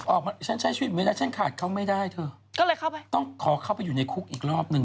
ฉันใช้ชีวิตไม่ได้ฉันขาดเขาไม่ได้เธอก็เลยเข้าไปต้องขอเข้าไปอยู่ในคุกอีกรอบหนึ่ง